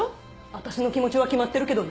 私の気持ちは決まってるけどね。